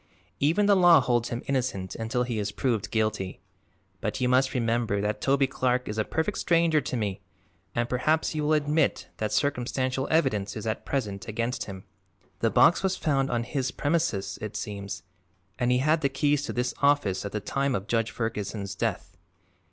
Even the law holds him innocent until he is proved guilty. But you must remember that Toby Clark is a perfect stranger to me and perhaps you will admit that circumstantial evidence is at present against him. The box was found on his premises, it seems, and he had the keys to this office at the time of Judge Ferguson's death.